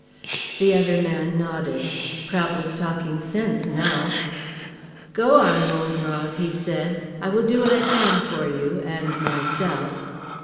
The other man nodded. Prout was talking sense now. "Go on, mon brave," he said. "I will do what I can for you and myself."